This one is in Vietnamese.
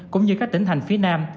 cũng như các tỉnh thành phía nam